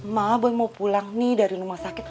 ma boy mau pulang nih dari rumah sakit